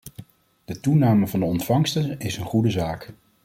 De toename van de ontvangsten is een goede zaak.